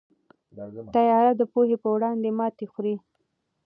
تیاره د پوهې په وړاندې ماتې خوري.